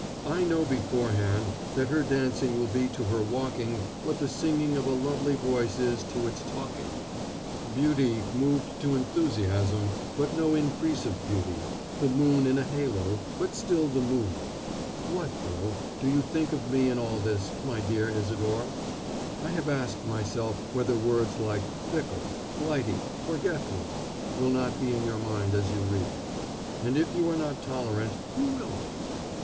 I know beforehand that her dancing will be to her walking what the singing of a lovely voice is to its talking beauty moved to enthusiasm, but no increase of beauty; the moon in a halo, but still the moon. What, though, do you think of me in all this, my dear Isadore? I have asked myself whether words like "fickle," "flighty," "forgetful," will not be in your mind as you read. And if you are not tolerant, who will be?